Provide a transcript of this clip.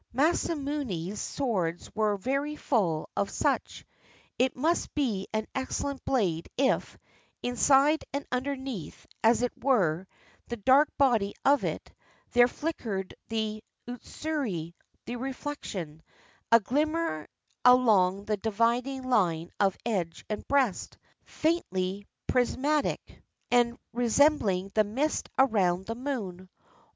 Masamune's swords were very full of such. It must be an excellent blade if, inside and under neath, as it were, the dark body of it, there flickered the utsuri, the "reflection," a glimmer along the dividing Une of edge and breast, faintly prismatic, and resem bling the "mist round the moon."